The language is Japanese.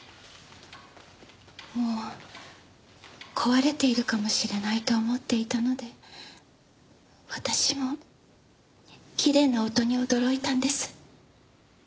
もう壊れているかもしれないと思っていたので私もきれいな音に驚いたんです。